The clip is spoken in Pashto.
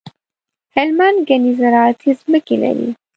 هلمند ګڼي زراعتي ځمکي لري.